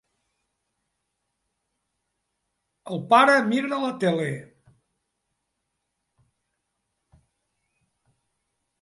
El pare mira la tele.